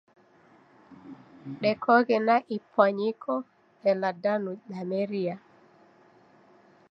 Dekoghe na ipwanyiko ela danu dameria.